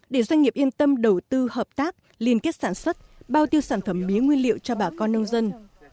để doanh nghiệp yên tâm đầu tư hợp tác liên kết sản xuất bao tiêu sản phẩm mía nguyên liệu cho bà con nông dân